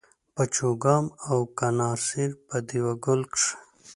په چوګام او کڼاسېر په دېوه ګل کښي